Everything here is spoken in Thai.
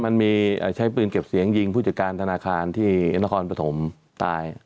มันมีใช้ปืนเก็บเสียงยิงผู้จัดการธนาคารที่นครปฐมตาย